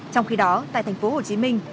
trong khi đó tại thành phố hồ chí minh